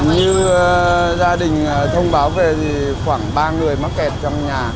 như gia đình thông báo về khoảng ba người mắc kẹt trong nhà